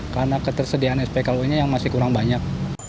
karena ketersediaan spklu nya yang masih kurang banyak